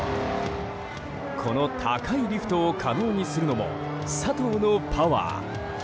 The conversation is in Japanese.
この高いリフトを可能にするのも佐藤のパワー。